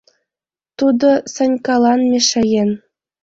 Тудо Санькалан мешаен.